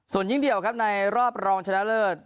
ส่วนยิ่งเดี่ยวครับในรอบรองชนะเลิศ